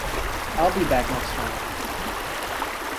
I'll be back next time.